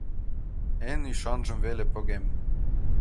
Эн ӱшанжым веле погем!